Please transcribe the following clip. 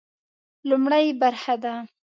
لومړۍ برخه ده.